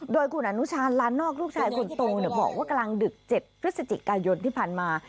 โดยคุณอนุชาญลานนอกลูกชายคนโตเนี่ยบอกว่ากำลังดึกเจ็บพฤศจิกายนที่พันมา